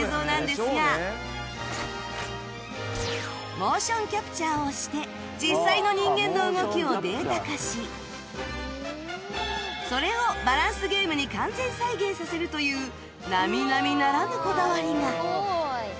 モーションキャプチャーをして実際の人間の動きをデータ化しそれをバランスゲームに完全再現させるという並々ならぬこだわりが